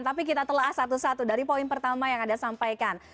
tapi kita telah satu satu dari poin pertama yang anda sampaikan